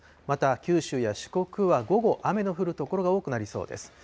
また九州や四国は午後、雨の降る所が多くなりそうです。